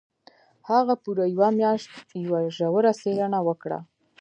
هغه پوره یوه میاشت یوه ژوره څېړنه وکړه